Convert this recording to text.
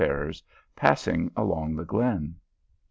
ircrs passing along the glen.